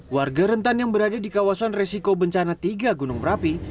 warga rentan yang berada di kawasan resiko bencana tiga gunung berapi